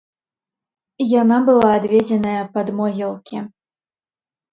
Яна была адведзеная пад могілкі.